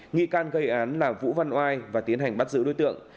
nghi can gây án là vũ văn oai và tiến hành bắt giữ đối tượng